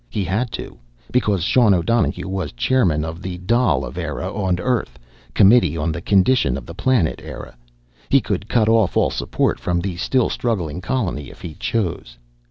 He had to, because Sean O'Donohue was chairman of the Dail of Eire on Earth Committee on the Condition of the Planet Eire. He could cut off all support from the still struggling colony if he chose.